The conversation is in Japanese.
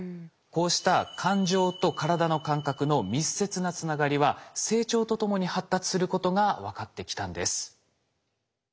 こうした感情と体の感覚の密接なつながりは成長とともに発達することが分かってきたんです。